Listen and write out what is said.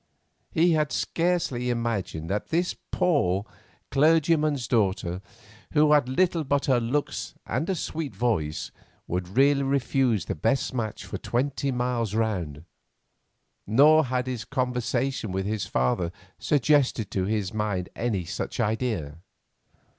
He had scarcely imagined that this poor clergyman's daughter, who had little but her looks and a sweet voice, would really refuse the best match for twenty miles round, nor had his conversation with her father suggested to his mind any such idea.